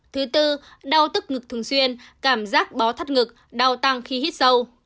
thứ tư đau tức ngực thường xuyên cảm giác bó thắt ngực đau tăng khi hít sâu